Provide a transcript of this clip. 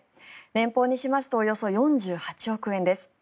年俸にしますとおよそ４８億円です。